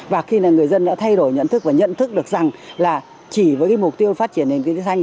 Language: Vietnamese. và khi là người dân đã thay đổi nhận thức và nhận thức được rằng là chỉ với cái mục tiêu phát triển nền kinh tế xanh